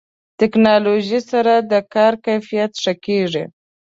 ټکنالوژي سره د کار کیفیت ښه کېږي.